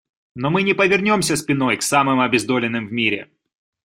Но мы не повернемся спиной к самым обездоленным в мире.